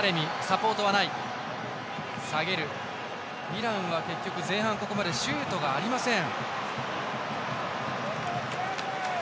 イランは結局、前半ここまでシュートがありません。